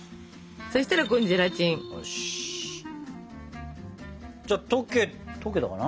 そしたらここにゼラチン。じゃ溶け溶けたかな？